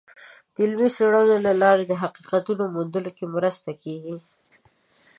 د علمي څیړنو له لارې د حقیقتونو موندلو کې مرسته کیږي.